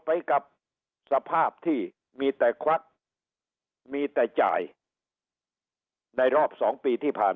ไปกับสภาพที่มีแต่ควักมีแต่จ่ายในรอบ๒ปีที่ผ่าน